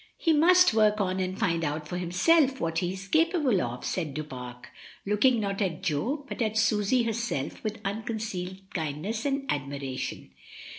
"He must work on and find out for himself what he is capable of," said Du Pare, looking not at Jo but at Susy herself with unconcealed kindness and admiration.